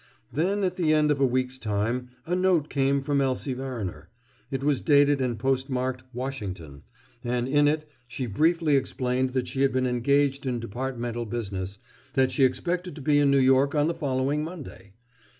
Then, at the end of a week's time, a note came from Elsie Verriner. It was dated and postmarked "Washington," and in it she briefly explained that she had been engaged in Departmental business, but that she expected to be in New York on the following Monday.